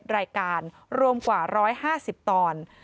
รายการรวมกว่า๑๕๐ตอน